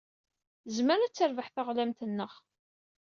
Tezmer ad terbeḥ teɣlamt-nneɣ.